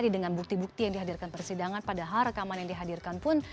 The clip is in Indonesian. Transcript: dengan bukti bukti yang dihadirkan persidangan padahal rekaman yang dihadirkan pun